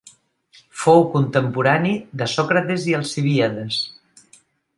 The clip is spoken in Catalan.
Fou contemporani de Sòcrates i Alcibíades.